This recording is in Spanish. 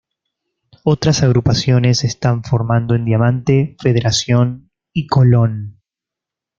Otras agrupaciones se están formando en Diamante, Federación y Colón.